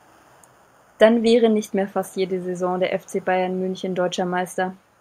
Dann wäre nicht mehr fast jede Saison der FC Bayern München deutscher Meister.